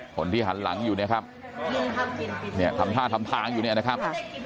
คนที่หันหลังอยู่นะครับทางอยู่นะครับ